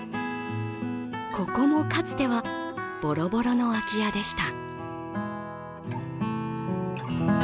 ここもかつてはボロボロの空き家でした。